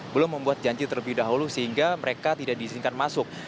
belum membuat janji terlebih dahulu sehingga mereka tidak diizinkan masuk